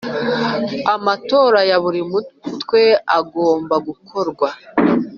amatora ya buri mutwe agomba gukorwa